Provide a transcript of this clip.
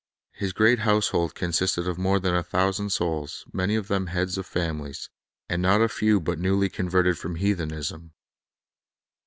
His great household consisted of more than a thousand souls, many of them heads of families, and not a few but newly converted from heathenism.